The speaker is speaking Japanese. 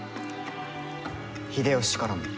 秀吉からも。